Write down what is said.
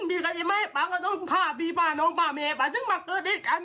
พี่เข้าใจแยะคู่